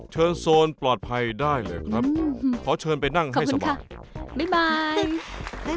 เชิญโซนปลอดภัยได้เลยครับขอเชิญไปนั่งให้สบายขอบคุณค่ะบ๊ายบาย